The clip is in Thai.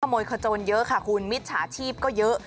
ขโมยขโจรเยอะค่ะคุณมิจฉาชีพก็เยอะ